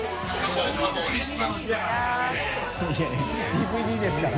ＤＶＤですから。